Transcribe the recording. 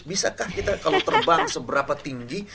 bisakah kita kalau terbang seberapa tinggi